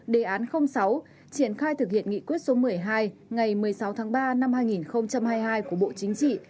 đề án sáu triển khai thực hiện nghị quyết số một mươi hai ngày một mươi sáu tháng ba năm hai nghìn hai mươi hai của bộ chính trị